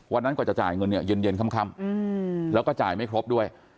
กว่าจะจ่ายเงินเนี่ยเย็นค่ำแล้วก็จ่ายไม่ครบด้วย